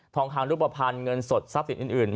ทางรูปภัณฑ์เงินสดทรัพย์สินอื่น